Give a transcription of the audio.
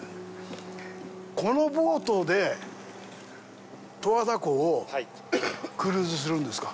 このボートで十和田湖をクルーズするんですか。